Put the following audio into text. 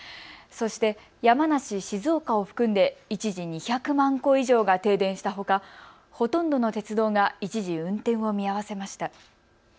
そして山梨、静岡を含んで一時２００万戸以上が停電したほかほとんどの鉄道が一時、運転を見合わせました。